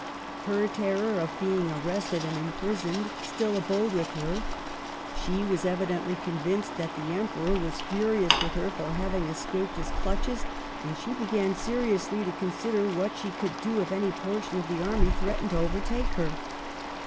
Her terror of being arrested and imprisoned still abode with her ; she was evidently convinced that the Emperor was furious with her for having escaped his clutches ; and she began seriously to consider what she would do if any portion of the army threatened to overtake her.